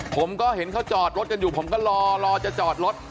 ผมก็เห็นเขาจอดรถกันอยู่ผมก็รอจะจอดรถ